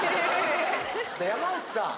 山内さん